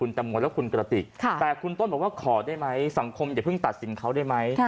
ตังโมและคุณกระติกแต่คุณต้นบอกว่าขอได้ไหมสังคมอย่าเพิ่งตัดสินเขาได้ไหม